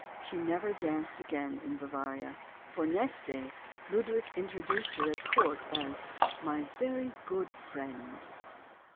She never danced again in Bavaria. For next day Ludwig introduced her at court as *'my very good friend."